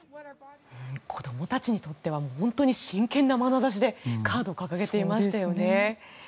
子どもたちにとっては本当に真剣なまなざしでカードを掲げていましたよね。